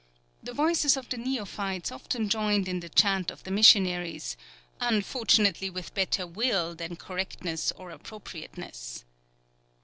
The voices of the neophytes often joined in the chant of the missionaries, unfortunately with better will than correctness or appropriateness.